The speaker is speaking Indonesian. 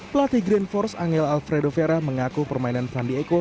pelatih green force angel alfredo vera mengaku permainan fandi eko